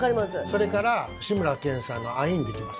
それから、志村けんさんのアイーンできます？